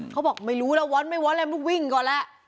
เขาบอกไม่รู้แล้วว้อนไม่ว้อนแล้วมึงวิ่งก่อนแล้ว